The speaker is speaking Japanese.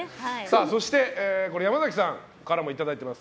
そして、山崎さんからもいただいています。